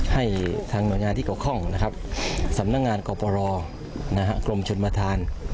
ให้ทางหน่วยงานที่เกาะคล่องนะครับสำนักงานกรบรอนะฮะกรมชนมฐาน